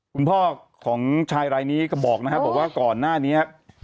คุณพ่อของชายรายนี้ก็บอกนะครับบอกว่าก่อนหน้านี้